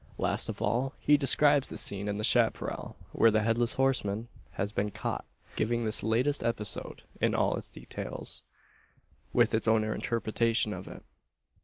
Last of all, he describes the scene in the chapparal, where the Headless Horseman has been caught giving this latest episode in all its details, with his own interpretation of it.